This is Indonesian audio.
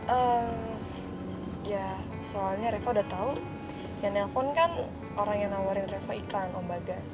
eee ya soalnya reva udah tau yang nelpon kan orang yang nawarin reva iklan om bagas